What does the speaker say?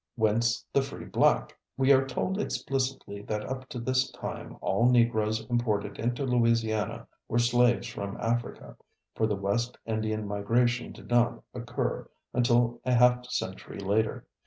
Whence the free black? We are told explicitly that up to this time all Negroes imported into Louisiana were slaves from Africa, for the West Indian migration did not occur until a half century later.